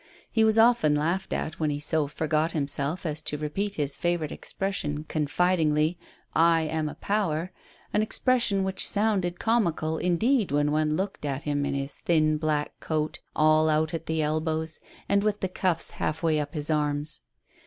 He was often laughed at when he so far forgot himself as to repeat his favorite expression confidingly, ''I am a power," an expression which sounded comical, indeed, when one looked at him in his thin black coat, all out at the elbows, and with the cuffs half way up his arms.